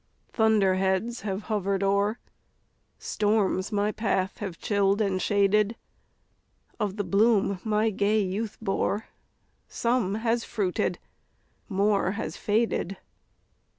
Thunder heads have hovered o'er Storms my path have chilled and shaded; Of the bloom my gay youth bore, Some has fruited more has faded."